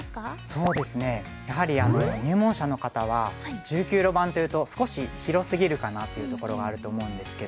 そうですねやはり入門者の方は１９路盤というと少し広すぎるかなというところがあると思うんですけど。